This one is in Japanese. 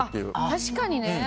確かにね。